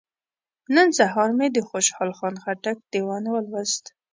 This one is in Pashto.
نن سهار مې د خوشحال خان خټک دیوان ولوست.